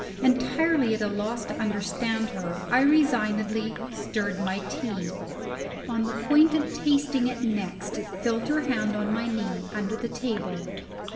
Entirely at a loss to understand her, I resignedly stirred my tea. On the point of tasting it next, felt her hand on my knee, under the table.